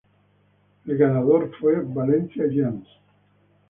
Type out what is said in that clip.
El ganador fue Valencia Giants.